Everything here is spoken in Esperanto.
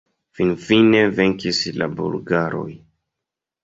Finfine venkis la bulgaroj...